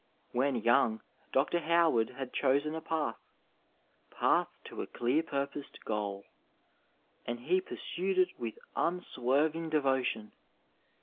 When young, Dr. Howard had chosen a path— *' path to a clear purposed goal," and he pursued it with unswerving devotion.